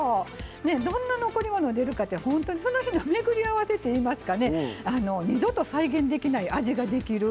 どんな残り物出るかってその日のめぐり合わせっていいますかね二度と再現できない味ができる。